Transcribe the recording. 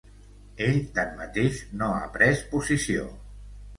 Ell, tanmateix, no ha pres posició.